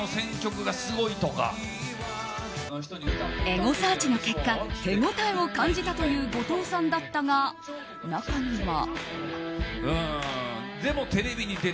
エゴサーチの結果手応えを感じたという後藤さんだったが中には。